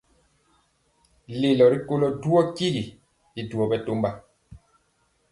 Lelo rikolo njɔɔtyi y duo bɛtɔmba.